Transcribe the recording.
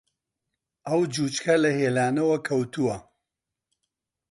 ئەو جووچکە لە هێلانەوە کەوتووە